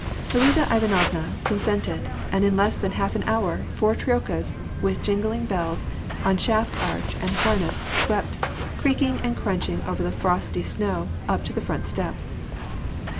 Luiza Ivanovna consented ; ami in less than half an hour, four troikas, with jingling bells, on shaft arch* and harness swept, creaking and crunching over the frosty snow, up to the front steps.